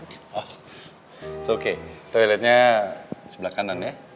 oh it's okay toiletnya di sebelah kanan ya